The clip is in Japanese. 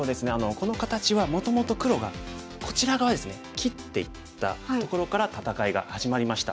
この形はもともと黒がこちら側ですね切っていったところから戦いが始まりました。